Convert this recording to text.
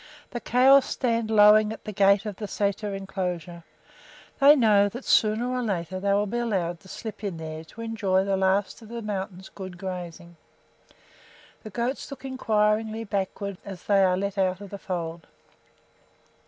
The cows stand lowing at the gate of the sæter inclosure; they know that sooner or later they will be allowed to slip in there to enjoy the last of the mountain's good grazing. The goats look inquiringly backward as they are let out of the fold.